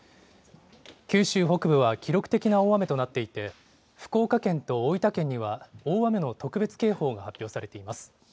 九州北部は記録的な大雨となっていて、福岡県と大分県には、大雨の特別警報が発表されています。